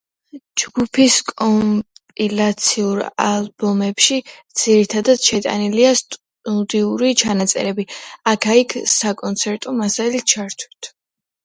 ჯგუფის კომპილაციურ ალბომებში ძირითადად შეტანილია სტუდიური ჩანაწერები, აქა-იქ საკონცერტო მასალის ჩართვით.